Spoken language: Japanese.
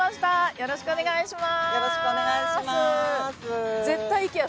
よろしくお願いします